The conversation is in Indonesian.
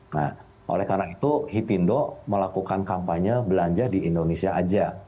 nah oleh karena itu hipindo melakukan kampanye belanja di indonesia aja